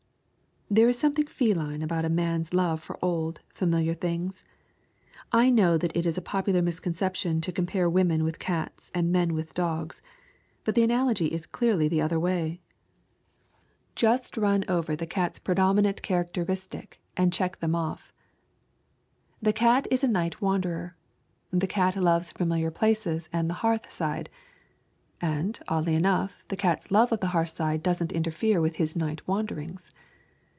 There is something feline about a man's love for old, familiar things. I know that it is a popular misconception to compare women with cats and men with dogs. But the analogy is clearly the other way. Just run over the cat's predominant characteristic and check them off: The cat is a night wanderer. The cat loves familiar places, and the hearthside. (And, oddly enough, the cat's love of the hearthside doesn't interfere with his night wanderings!)